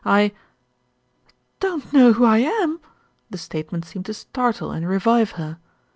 I " "Don't know who I am!" The statement seemed to startle and revive her.